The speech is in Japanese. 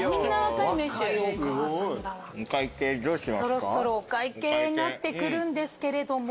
そろそろお会計になってくるんですけれども。